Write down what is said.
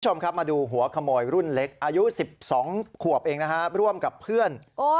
คุณผู้ชมครับมาดูหัวขโมยรุ่นเล็กอายุ๑๒ขวบเองนะฮะร่วมกับเพื่อน